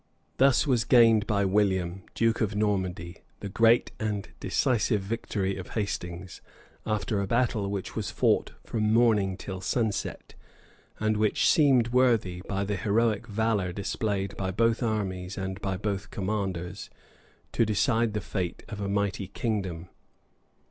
Thus was gained by William, duke of Normandy, the great and decisive victory of Hastings, after a battle which was fought from morning till sunset, and which seemed worthy, by the heroic valor displayed by both armies and by both commanders, to decide the fate of a mighty kingdom.